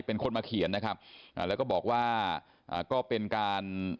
เป็นคนมาเขียนนะครับอ่าแล้วก็บอกว่าอ่าก็เป็นการ